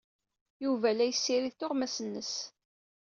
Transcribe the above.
Yuba la yessirid tuɣmas-nnes.